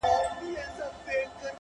• ګړی وروسته مرغه کښته سو له بامه -